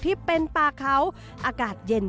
ที่เป็นป่าเขาอากาศเย็น